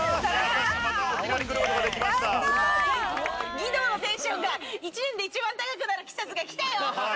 義堂のテンションが１年で一番高くなる季節が来たよ！